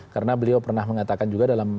karena beliau pernah mengatakan juga dalam